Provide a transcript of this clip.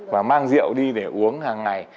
và mang rượu đi để uống hàng ngày